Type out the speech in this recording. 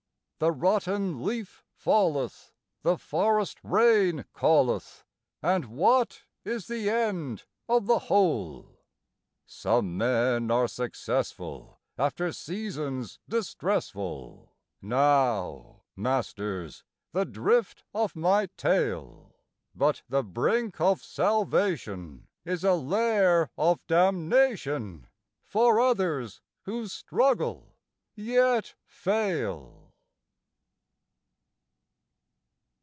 The rotten leaf falleth, the forest rain calleth; And what is the end of the whole? Some men are successful after seasons distressful [Now, masters, the drift of my tale]; But the brink of salvation is a lair of damnation For others who struggle, yet fail.